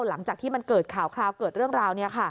หลังจากที่เกิดข่าวเกิดเรื่องราว